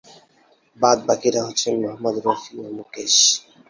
বাদ-বাকীরা হচ্ছেন মোহাম্মদ রফি ও মুকেশ।